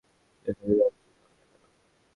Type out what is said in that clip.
আমি এখনো মনে করি আপনার সেখানে যাওয়া উচিৎ হবেনা কেন?